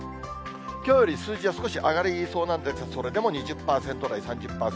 きょうより数字は少し上がりそうなんですが、それでも２０％台、３０％台。